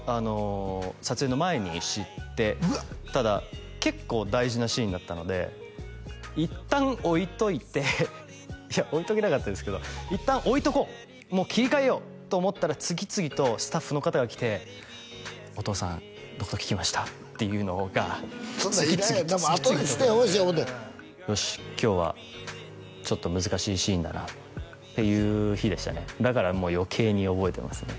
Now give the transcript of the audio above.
撮影の前に知ってただ結構大事なシーンだったのでいったん置いといていや置いとけなかったですけどいったん置いとこうもう切り替えようと思ったら次々とスタッフの方が来てお父さんのこと聞きましたっていうのが次々次々ともうあとにしてほしいよし今日はちょっと難しいシーンだなっていう日でしたねだからもう余計に覚えてますね